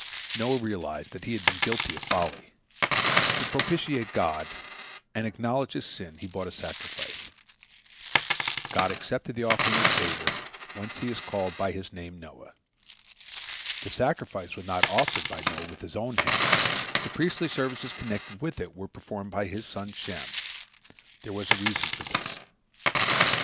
Noah realized that he had been guilty of folly. To propitiate God and acknowledge his sin, he brought a sacrifice. God accepted the offering with favor, whence he is called by his name Noah. The sacrifice was not offered by Noah with his own hands; the priestly services connected with it were performed by his son Shem. There was a reason for this.